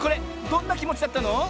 どんなきもちだったの？